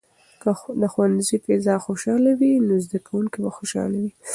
که د ښوونځي فضا خوشحاله وي، نو زده کوونکي به خوشاله وي.